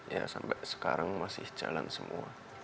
ya sampai sekarang masih jalan semua